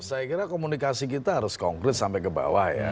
saya kira komunikasi kita harus konkret sampai ke bawah ya